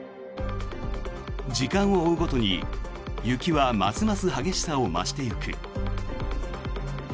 時間を追うごとに、雪はますます激しさを増していく。